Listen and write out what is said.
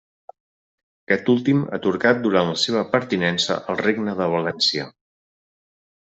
Aquest últim atorgat durant la seva pertinença al Regne de València.